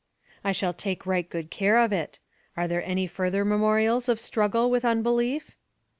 "I shall take right good care of it. Are there any further memorials of struggle with unbelief?"